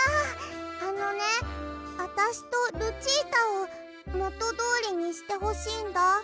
あのねあたしとルチータをもとどおりにしてほしいんだ。